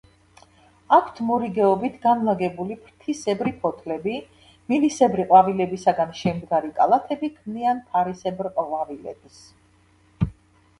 აქვთ მორიგეობით განლაგებული ფრთისებრი ფოთლები; მილისებრი ყვავილებისაგან შემდგარი კალათები ქმნიან ფარისებრ ყვავილედს.